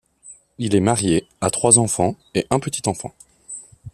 Il est marié, a trois enfants et un petit-enfant.